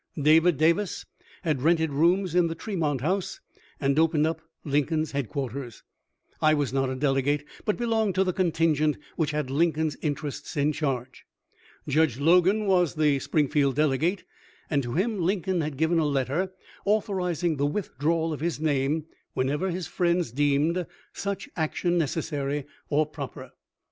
David Davis had rented rooms in the Tremont House and opened up " Lincoln's headquarters. " I was not a delegate, but belonged to the contingent which had Lincoln's interests in charge. Judge Logan was the Spring field delegate, and to him Lincoln had given a letter authorizing the withdrawal of his name whenever his friends deemed such action necessary or proper.